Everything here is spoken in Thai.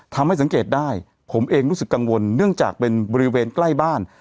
สังเกตได้ผมเองรู้สึกกังวลเนื่องจากเป็นบริเวณใกล้บ้าน